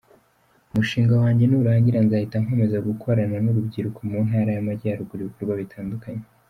Umushinga wanjye nurangira nzahita nkomeza gukorana n’urubyiruko mu Ntara y’Amajyaruguru ibikorwa bitandukanye.